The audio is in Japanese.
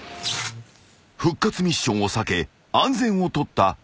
［復活ミッションを避け安全を取ったみなみかわ］